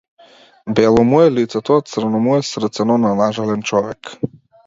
Бело му е лицето, а црно му е срцено на нажален човек.